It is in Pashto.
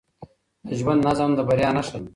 د ژوند نظم د بریا نښه ده.